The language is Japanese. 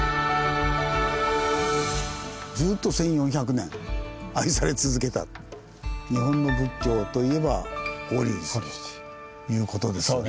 ずっと１４００年愛され続けた日本の仏教といえば法隆寺ということですね。